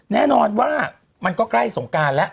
แน่นอนว่ามันก็ใกล้สงการแล้ว